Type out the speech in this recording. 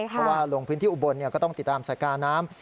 เพราะว่าลงพื้นที่อุบลก็ต้องติดตามสกาน้ำ